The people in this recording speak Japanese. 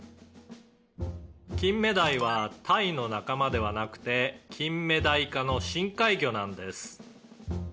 「金目鯛は鯛の仲間ではなくてキンメダイ科の深海魚なんです」